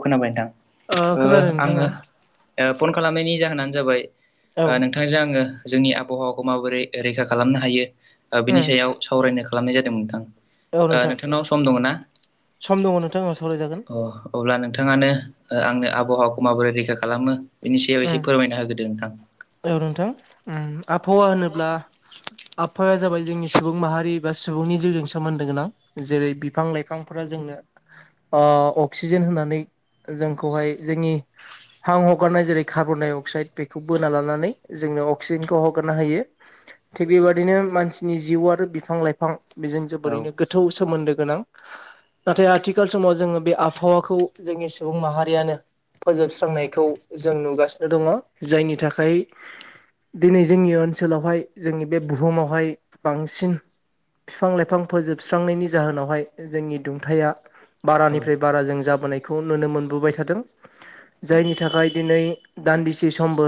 खोनाबाय नोंथां ओ खोनादों नोंथां आङो औ। पन खालामनायनि जाहोनानो जाबाय औ ओ नोंथांजों आङो जोंनि आबहावाखौ माबोरै रैखा खालामनो हायो बिनि उम सायाव सावरायनो खालामनाय जादों नोंथां औ ओ नोंथां नोंथांनाव सम दङ ना? सम दङ नोंथां आं सावरायजागोन अ अब्ला नोंथाङानो आंनो आबहावाखौ माबोरै रैखा खालामो बेनि सायाव उम एसे फोरमायना होग्रोदो नोंथां औ नोंथां ओम आबहावा होनोब्ला आबहाया जाबाय जोंनि सुबुं माहारि बा सुबुंनि जिउजों सोमोन्दो गोनां, जेरै- बिफां लाइफांफोरा जोंनो ओ अक्सिजेन होननानै जोंखौहाय जोंनि हां हगारनाय जेरै कार्बन डाइ अक्साइद बेखौ बो ना लानानै जोंनो अक्सिजेनखौ हगारनो होायो थिग बेबादिनो मानसिनि जिउ आरो बिफां लाइफां बेजों औ जोबोरैनो गोथौ सोमोन्दो गोनां नाथाय आथिखाल समाव जोङो बे आबहावाखौ जोंनि सुबुं माहारियानो फोजोबस्रांनायखौ जों नुगासिनो दङ जायनि थाखाय दिनै जोंनि ओनसोलावहाय जोंनि बे बुहुमावहाय बांसिन बिफां लाइफां फोजोबस्रांनायनि जाहोनावहाय जोंनि दुंथाया औ बारानिफ्राय बारा जों जा बोनायखौ नुनो मोनबोबाय थादों। जायनि थाखाय दिनै दान्दिसे समबो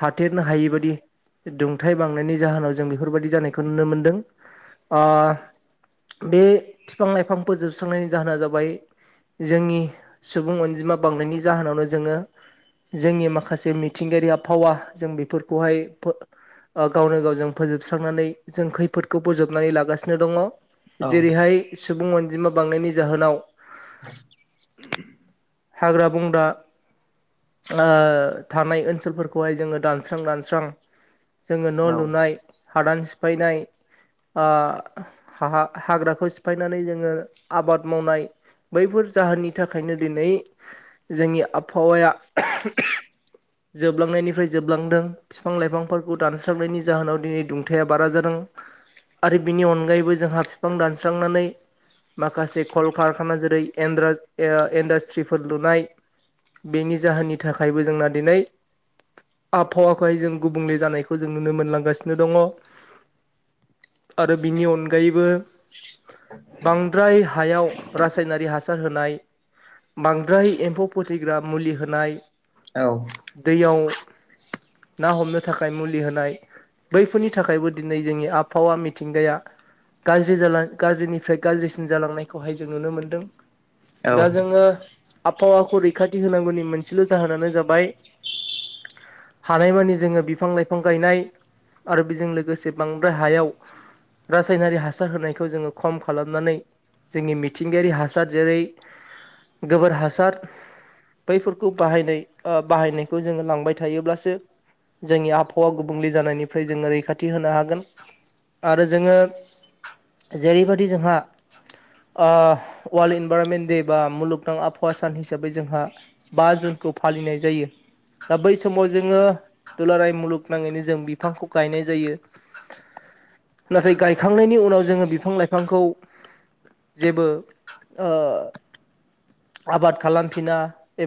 थाथेरनो हायैबादि दुंथाइ बांनायनि जाहोनाव जों बेफोरबायाददि जानायखौ नुनो मोनदों ओ बे बिफां लाइफां फोजोबस्रांनायनि जाहोना जाबाय जोंनि सुबुं अनजिमा बांनायनि जाहोनावनो जोङो जोंनि माखासे मि थिंगायारि आबहावा जों बेफोरखौहाय गावनो गावजों फोजोबस्रांनानै जों खैफोदखौ बोजबनानै लागासिनो दङ। औ जेरैहाय सुबुं अनजिमा बांनायनि जाहोनाव हाग्रा बंग्रा ओ थानाय ओनसोलफोरखौहाय जोङो दानस्रां दानस्रां जोङो औ न' लुनाय, हादान सिफायनाय, ओ हा हाग्राखौ सिफायनानै जोङो आबाद मावनाय, बैफोर जाहोननि थाखायनो दिनै जोंनि आबहावाया जोबलांनायनिफ्राय जोबलांदों बिफां लाइफांफोरखौ दानस्रांनायनि जाहोनाव दिनै दुंथाया बारा जा दोम आरो बिनि अनगायैबो जोंहा बिफां दानस्रांनानै माखासे कलकारखाना जेरै- एन्द्रा इन्डास्ट्रिफोर लुनाय बेनि जाहोननि थाखायबो जोंना दिनै आबहावाखौहाय जों गुबुंले जानायखौ जों नुनो मोनलांगासिनो दङ, आरो बिनि अनगायैबो बांद्राय हायाव रासायनारि हासार होनाय बांद्राय एम्फौ फोथैग्रा मुलि होनाय, औ दैयाव ना हमनो थाखाय मुलि होनाय, बैफोरनि थाखायबो दिनै जोंनि आबहावा मिथिंगाया गाज्रि जाला गाज्रिनिफ्राय गाज्रिसिन जालांनायखौहाय जों नुनो मोनदों। दा जोङो आबहावाखौ रैखाथि होनांगौनि मोनसेल' जाहोनानो जाबाय [inaudible] हानायमानि जोङो बिफां लाइफां गायनाय, आरो बेजों लोगोसे बांद्राय हायाव रासायनारि हासार होनायखौ जोङो खम खालामनानै जोंनि मिथिंगायारि हासार जेरै गोबोर हासार बैफोरखौ बाहायनाय बाहायनायखौ जोङो लांबाय थायोब्लासो जोंनि आबहावा गुबुंले जानायनिफ्राय जोङो रैखाथि होनो हागोन आरो जोङो जेरैबायदि जोंहा वर्ल्ड इनभाररनमेन्ट दे बा मुलुगनां आहावा सान हिसाबै जोंहा बा जुन खौ फालिनाय जायो दा बै समाव जोङो दुलाराय मुलुगनााङैनो जों बिफांखौ गायनाय जायो [inaudible] नाथाय गायखांनायनि उनाव जोङो बिफां लाइफांखौ जेबो ओ आबाद खालामफिना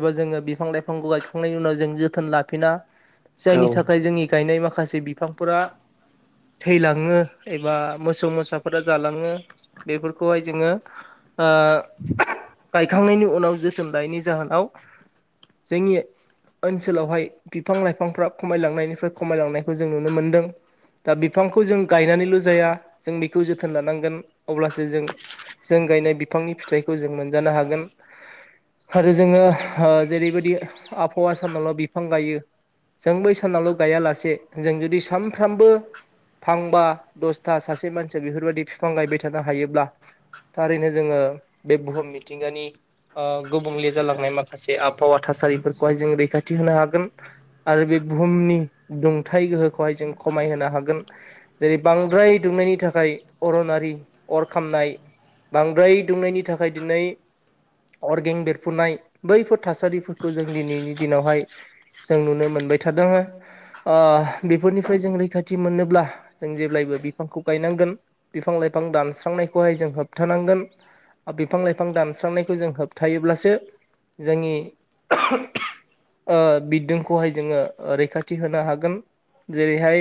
एबा जोङो बिफां लाइफांखौ खांनायनि उनाव जों जोथोन लाफिना जायनि थाखाय जोंनि गायनाय माखासे बिफांफोरा थैलाङो एबा मोसौ मोसाफोरा जालाङो बेफोरखौहाय जोङो गायखांनायनि उनाव जोथोन लानायनि जाहोनाव जोंनि ओनसोलावहाय बिफां लाइफांफ्रा खमायलांनायनिफ्राय खमायलांनायखौ जों नुनो मोनदों दा बिफांखौ जों गायनानैल' जाया जों बेखौ जोथोन लानांगोन अब्लासो जों जों गायनाय बिफांनि फिथाइखौ जों मोनजानो हागोन। आरो जोङो जेरैबायदि आबहावा साननाल' बिफां गायो। जों बै सनाल' गायालासे जों जुदि सानफ्रामबो थांबा दसथा सासे मानसिया बेफोरबायदि बिफां गायबाय थानो हायोब्ला थारैनो जोङो बे बुहुम मिथिंगानि गुबुंले जालांनाय माखासे आबहावा थासारि जों रैखाथि होनो हागोन आरो बे बुहुमनि दुंथ गो खौहाय जों खमायहोनो हागोन जेरै बांद्राय दुंनायनि थाखाय अरनारि अर खामनाय बांद्राय दुंनायनि थाखाय दिनै अर्गें बेरफुनाय बैफोर थासारिफोरखौ जों दिनैनि दिनावहाय जों नुनो मोनबाय थादों बेफोरनिफ्राय जों रैखाथि मोनोब्ला जों जेब्लायबो बिफांखौ गायनांगोन बिफां लाइफां दानस्रांनायखौहाय जों होबथानांगोन। बिफां लाइफां दानस्रांनायखौ जों होबथायोबब्लासो जोंनि [inaudible] बिदोंखौहाय जोङो रैखाथि होनो हागोन जेरैहाय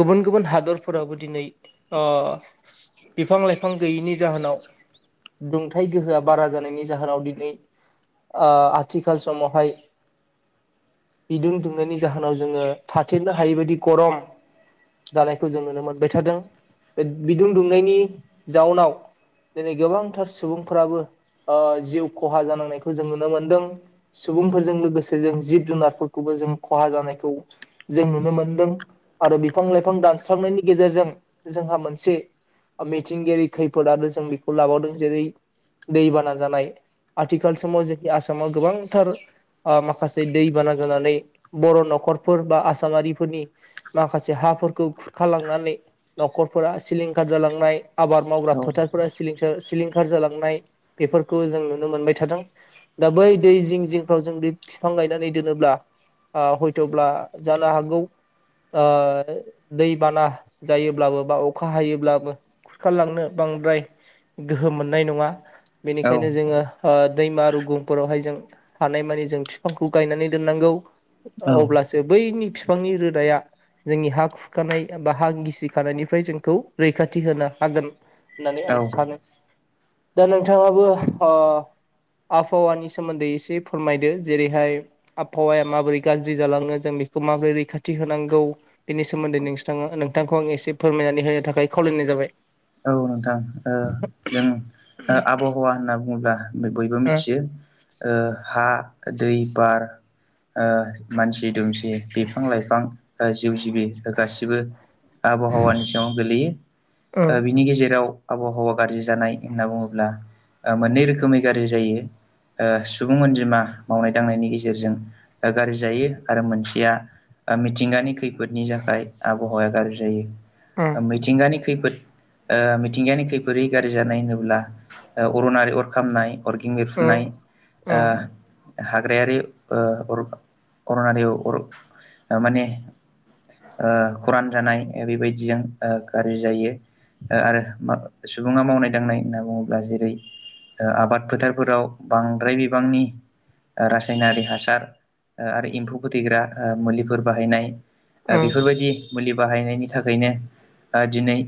गुबुन गुबुन हादरफोरावबो दिनै बिफां लाइफां गैयिनि जाहोनाव दुं थाय गोहोआ बारा जानायनि जाहोनाव दिनै आथिखाल समावहाय बिदुं दुंनायनि जाहोनाव जोङो थाथेरनो हायै बायदि गरम जानायखौ जों नुनो मोनबाय थादों बे बिदुं दुंनायनि जाउनाव दिनै गोबांथार सुबुंफोराबो जिउ खहा जानांनायखौ जों नुनो मोनदों सुबुंफोरजों लोगोसे जों जिब जुनारफोरखौबो जों खहा जानायखौ जों नुनो मोनदों आरो बिफां लाइफां दानस्रांनायनि गेजेरजों जोंहा मोनसे मिथिंगायारि खैफोद आरो जों बेखौ लाबावदों जेरै दैबाना जानाय आथिखाल समाव जोंनि आसामाव गोबांथार माखासे दैबाना जानानै बर' न'खरफोर बा आसामारिफोरनि माखासे हा हाफोरखौ खुरखालांनानै न'खरफोरा सिलिंखार जालांनाय आबाद मावग्रा फोथारफोरां सिलिंखार जालांनाय बेफोरखौ जों नुनो मोनबाय। थादों दा बै दै जिं जिंफ्राव जों दै बिफां गायनानै दोनोब्ला हयथ'ब्ला जानो हागौ। ओ दै बाना जायोब्लाबो बा अखा हायोब्लाबो खारलांनो बांद्राय गोहो मोननाय नङा औ बेनिखायनो जोङो ओ दैमा रुगुंफोरावहाय जों हानायमानि जों बिफांखौ गायनानै दोननांगौ अब्लासो बैनि बिफांनि रोदाया जोंनि हा खुरखानाय बा हा गिसिखानायनिफ्राय जोंखौ रैखाथि होनो हागोन। होननानै औ आं औ सानो दा नोंथांङाबो ओ [inaudible] आबहावानि सोमोन्दै एसे फोरमायदो जेरैहाय आबहावाया माबोरै गाज्रि जालाङो जों बेखौ माबोरै रैखाथि होनांगौ बेनि सोमोन्दै नोंथांङा नोंथांखौ आं एसे फोरमायनानै होनो थाखाय खावलायनाय जाबाय औ नोंथां ओ जों आबहावा होनना बुङोब्ला बयबो ओ मिथियो हा दै बार ओ मानसि दुमसि बिफां लाइफां जिउ जिबि गासिबो आबहावानि सिङाव ओ गोल्लैयो। बिनि गेजेर आव आबहावा गाज्रि जानाय होनना बुङोब्ला ओ मोननै रोखोमै गाज्रि जायो। ओ सुबुं अनजिमा मावनाय दांनायनि गेजेरजों गाज्रि जायो आरो मोनसेया ओ मिथिंगानि खैफोदनि थाखाय आब हौवाया गाज्रि जायो। ओ मिथिंगानि खैफोद ओ मिथिंगायानि खैफोदै गाज्रि जानाय होनोब्ला अरनारि अर खामनाय अरगें बेरफुनाय ओ ओ हाग्रायारि ओ अरन अरनारि अर माने ओ खरान जानाय बेबायदिजों ओ गाज्रि जायो। ओ आरो सुबुङा मावनाय दांनाय होनना बुङोब्ला जेरै आबाद फोथारफोराव बांद्राय बिबांनि रासायनारि हासार आरो एम्फौ फोथैग्रा मुलिफोर बाहायनाय। ओ बेफोरबायदि मुलि बाहायनायनि थाखायनो ओ दिनै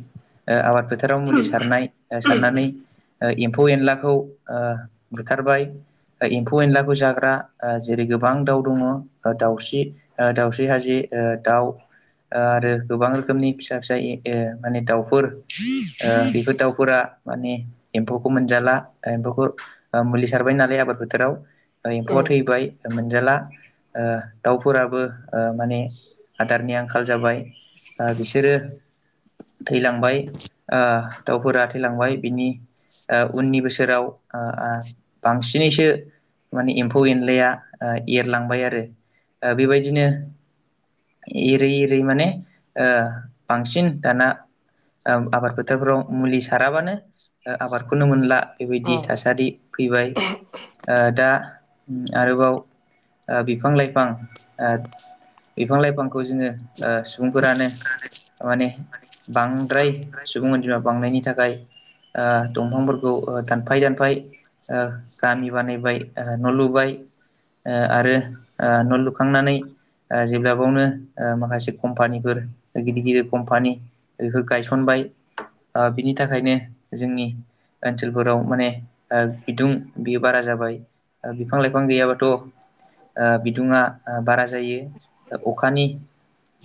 आबाद फोथाराव मुलि सारनाय सारनानै ओ एम्फौ एनलाखौ ओ बुथारबाय। ओ एम्फौ एनलाखौ जाग्रा ओ जेरै गोबां दाउ दङ ओ दाउस्रि ओ दाउस्रि हाजि। ओ दाउ ओ आरो गोबां रोखोमनि फिसा-फिसा ए माने दाउफोर। ओ बेफोर दाउफोरा माने एम्फौखौ मोनजाला एम्फौखौ मुलि सार थाबाय नालाय आबाद फोथोराव ओ एम्फौआ थैबाय मोनजाला ओ दाउफोराबो ओ माने आदारनि आंखाल जाबाय ओ बिसोरो थैलांबाय ओ दाउफोरा थैलांबाय बिनि ओ उननि बोसोराव ओ आ बांसिनैसो माने एम्फौ एनलाया ओ एरलांबाय आरो ओ बेबायदिनो एरै-एरै माने ओ बांसिन दाना आब आबाद फोथोरफ्राव मुलि साराबानो ओ आबादखौनो मोनला। बेबायदि थासारि फैबाय ओ दा आरोबाव ओ बिफां लाइफां ओ बिफां लाइफांखौ जोङो ओ सुबुंफोरानो माने बांद्राय सुबुं अनजिमा बांनायनि थाखाय ओ दंफांफोरखौ ओ दानफाय-दानफाय ओ‌ गामि बानायबाय ओ न' लुबाय आरो ओ न‌' लु खांनानै ओ जेब्ला बआवनो ओ माखासे कमपानिफोर गिदिर-गिदिर कमपानि बेफोर गायसनबाय ओ बिनि थाखाय ओनसोलफोराव माने ओ बिदुं बेयो बारा जाबाय। ओ बिफां लाइफां गैयाबाथ' ओ बिदुङा ओ बारा जायो। अखानि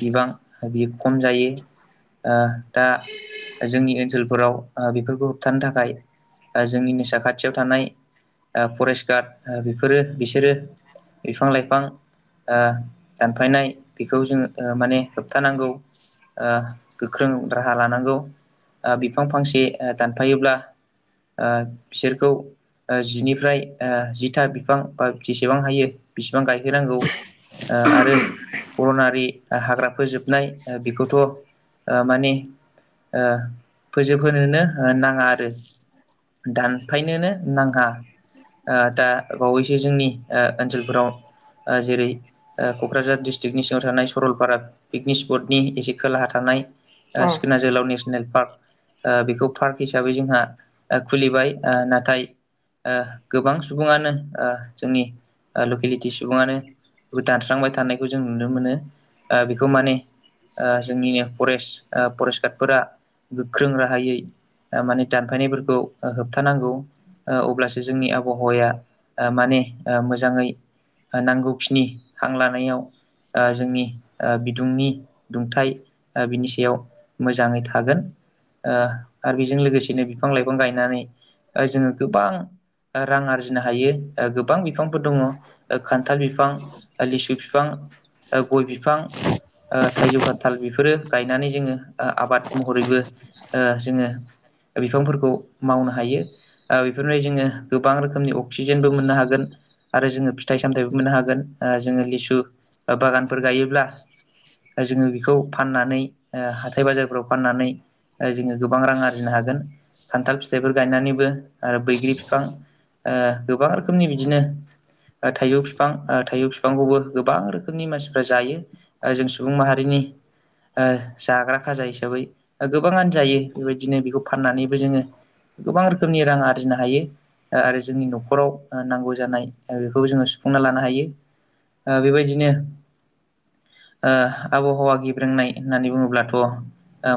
बिबां बियो खम जायो। ओ दा जोंनि ओनसोलफोराव ओ बेफोरखौ होबथा ओ फरेस्ट गाद ओ बेफोरो बिसोरो बिफां लाइफां ओ दानफायनाय बेखौ जोङो ओ माने होबथानांगौ। ओ गोख्रों राहा लानांगौ ओ बिफां फांसे ओ दानफायोब्ला ओ बिसोरखौ ओ जिनिफ्राय ओ जिथा बिफां बा जेसेबां हायो बिसिबां गायहोनांगौ। ओ आरो अर'नारि हाग्रा फोजोबनाय बेखौथ' ओ माने ओ फोजोबहोनोनो ओ नाङा आरो। दानफायनोनो नाङा। ओ दा बावैसो जोंनि ओ ओनसोलफोराव ओ जेरै ओ क'क्राझार डिस्ट्रिकनि सिङाव थानाय सरलपारा पिकनिक स्पटनि एसे खोलाहा थानाय ओ सिखोनना जोहोलाव नेसनेल पार्क ओ बेखौ पार्क हिसाबै जोंहा खुलिबाय। ओ नाथाय ओ गोबां सुबुङानो ओ जोंनि लकेलिटि सुबुङानो दानस्रांबाय थानायखौ जों नुनो मोनो। ओ बेखौ माने ओ जोंनिनो फरेस्ट ओ फरेस्ट गार्डफोरा गोख्रों राहायै माने दानफायनायफोरखौ होबथानांगौ। ओ अब्लासो जोंनि आबहावाया ओ माने ओ मोजाङै नांगौखिनि हां लानायाव ओ जोंनि ओ बिदुंनि दुंथाइ ओ बिनि सायाव मोजाङै थागोन। ओ आरो बेजों लोगोसेनो बिफां लाइफां गायनानै ओ जोङो गोबां रां आरजिनो हायो ओ गोबां बिफांफोर दङ ओ खान्थाल बिफां ओ लिसु बिफां ओ गइ बिफां ओ थाइजौ खान्थाल बेफोरो गायनानै जोङो ओ आबाद महरैबो ओ जोङो बिफांफोरखौ मावनो हायो। ओ बेफोरफ्राय जोङो गोबां रोखोमनि अक्सिजेनबो मोननो हागोन। आरो जोङो फिथाइ सामथायाइबो मोननो हागोन ओ जोङो लिसु बागानफोर गायोब्ला जोङो बेखौ फाननानै ओ हाथाइ बाजारफ्राव फाननानै जोङो गोबां रां आरजिनो हागोन। खान्थाल फिथाइफोर गायनानैबो ओ बैग्रि बिफां ओ गोबां रोखोमनि बिदिनो थाइजौ बिफां ओ थाइजौ बिफांखौबो गोबां रोखोमनि मानसिफ्रा जायो ओ जों सुबुं माहारिनि नि ओ जाग्रा खाजा हिसाबै गोबाङानो जायो बेबायदिनो फाननानैबो जोङो गोबां रोखोमनि रां आरजिनो हायो आरो जोंनि नख'राव नांगौ जानाय बेखौबो जोङो सुफुंना लानो हायो। ओ बेबायदिनो ओ आबहावा गेब्रोंनाय होननानै बुङोब्ला ओ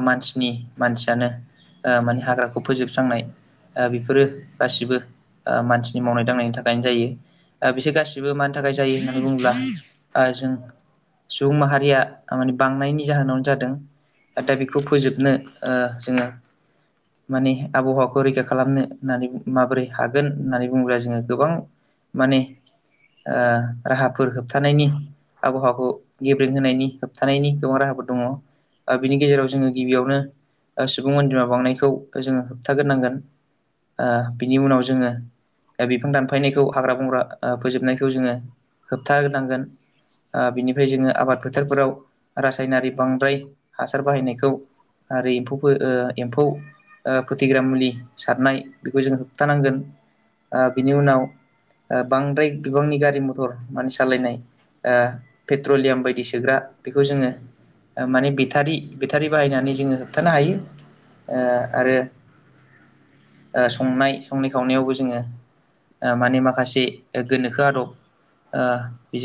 मानसिनि मानसियानो ओ माने हाग्राखौ फोजोबस्रांनाय ओ बेफोरो गासिबो ओ मानसिनि मावनाय दांनायनि थाखायनो जायो। ओ बिसोर गासिबो मानि थाखाय जायो होननानै बुङोब्ला ओ जों सुबुं माहारिया माने बांनायनि जाहोनावनो जादों। नाथाय बेखौ फोजोबनो ओ जोङो माने आबहावाखौ रैखा खालामनो होननानै माबोरै हागोन होननानै बुंङोब्ला जोङो गोबां माने ओ राहाफोर होबथानायनि आबहावाखौ गेब्रेंहोनायनि होबथानायनि गोबां राहाफोर दङ। बिनि गेजेराव जोङो गबियावनो ओ सुबुं अनजिमा बांनायखौ जोङो होबथाग्रोनांगोन। ओ बिनि उनाव जोङो बिफां दानफायनायखौ हाग्रा बंग्रा फोजोबनायखौ जोङो होबथा नांगोन। ओ बिनिफ्राय जोङो आबाद फोथारफोराव रासायनारि बांद्राय हासार बाहायनायखौ आरो एम्फौफोर ओ एम्फौ खोथैग्रा मुलि सारनाय बेखौ जों होबथानांगोन। ओ बिनि उनाव ओ बांद्राय बिबांनि गारि मथर माने सालायनाय ओ पेट्रलियाम बायदि सोग्रा बेखौ जोङो ओ माने बेटारि बेटारि बाहायनानै जोङो होबथानो हायो ओ आरो संनाय संनाय खावनायावबो जोङो माने माखासे गोनोखो आदब ओ बि